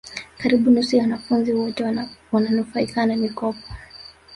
karibu nusu ya wanafunzi wote wananufaika na mikopo